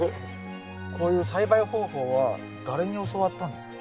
こういう栽培方法は誰に教わったんですか？